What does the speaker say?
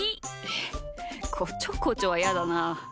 えっこちょこちょはやだな。